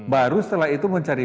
baru setelah itu mencari